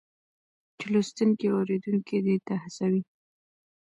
چې لوستونکی او اورېدونکی دې ته هڅوي